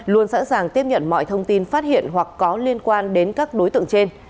luôn sẵn sàng tiếp nhận mọi thông tin phát hiện hoặc có liên quan đến các đối tượng trên